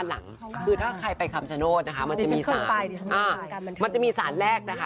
และมันก็จะมีศาสตร์แรกนะคะ